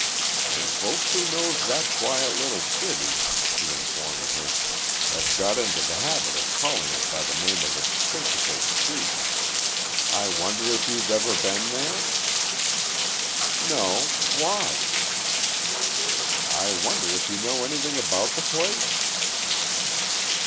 "And folks who know that quiet little city," he informed her, "have got into the habit of calling it by the name of its principal street.... I wonder if you've ever been there?" "No. Why?" "I wonder if you know anything about the place?"